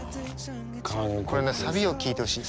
これねサビを聴いてほしい。